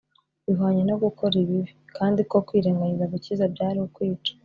bihwanye no gukora ibibi; kandi ko kwirengagiza gukiza byari ukwica